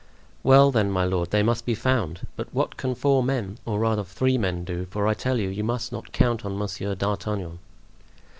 "Well, then, my lord, they must be found; but what can four men, or rather three men do—for I tell you, you must not count on Monsieur d'Artagnan."